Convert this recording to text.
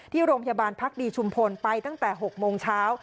ที่โรงพยาบาลพักดีชุมพลไปตั้งแต่๖โมงเช้า